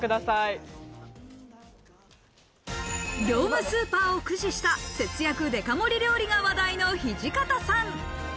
業務スーパーを駆使した節約デカ盛り料理が話題の土方さん。